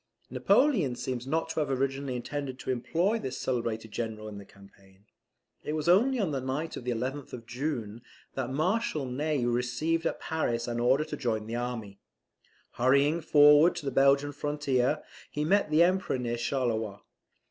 Napoleon seems not to have originally intended to employ this celebrated General in the campaign. It was only on the night of the 11th of June, that Marshal Ney received at Paris an order to join the army. Hurrying forward to the Belgian frontier, he met the Emperor near Charleroi.